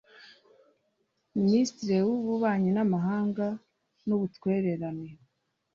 Minisitiri w’Ububanyi n’amahanga n’ubutwererane